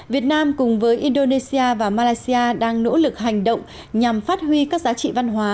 việt nam cùng với indonesia và malaysia đang nỗ lực hành động nhằm phát huy các giá trị văn hóa